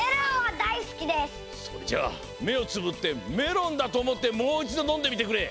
それじゃあめをつぶってメロンだとおもってもういちどのんでみてくれ。